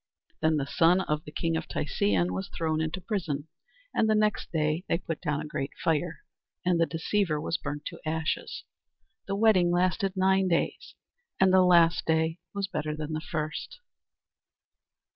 Then the son of the king of Tisean was thrown into prison, and the next day they put down a great fire, and the deceiver was burnt to ashes. The wedding lasted nine days, and the last day was better than the first.